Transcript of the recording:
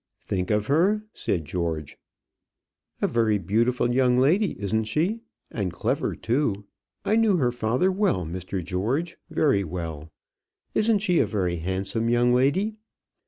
"Think of her!" said George. "A very beautiful young lady; isn't she? and clever, too. I knew her father well, Mr. George very well. Isn't she a very handsome young lady?